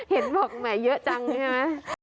เห็นบอกแหมเยอะจังใช่ไหม